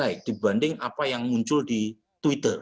baik dibanding apa yang muncul di twitter